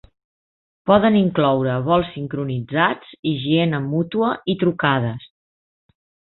Poden incloure vols sincronitzats, higiene mútua i trucades.